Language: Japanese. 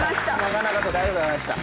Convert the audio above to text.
長々とありがとうございました。